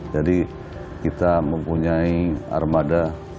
jadi kita mempunyai armada